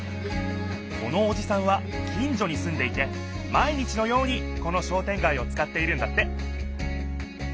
このおじさんは近所にすんでいて毎日のようにこの商店街をつかっているんだって